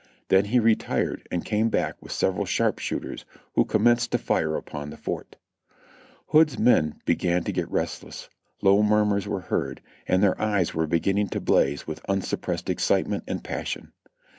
Then he retired and came back with several sharp shooters, who commenced to fire upon the fort. Hood's men began to get restless ; low murmurs were heard, and their eyes were beginning to blaze with unsuppressed ex citement and passion.